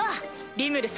リムル様。